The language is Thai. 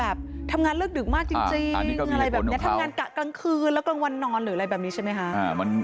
ทำงานเลิกดึกมากจริงอะไรแบบนี้ทำงานกะกลางคืนแล้วกลางวันนอนหรืออะไรแบบนี้ใช่ไหมคะ